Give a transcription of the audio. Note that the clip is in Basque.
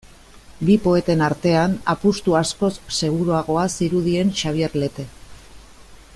Bi poeten artean, apustu askoz seguruagoa zirudien Xabier Lete.